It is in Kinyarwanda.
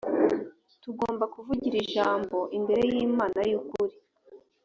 tugomba kuvugira ijambo imbere y imana y ukuri